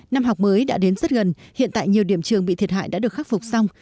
năm học mới đã đến rất gần hiện tại nhiều điểm trường bị thiệt hại đã được khắc phục xong